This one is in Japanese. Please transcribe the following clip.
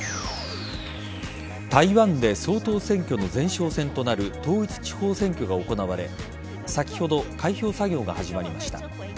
台湾で総統選挙の前哨戦となる統一地方選所が行われ先ほど、開票作業が始まりました。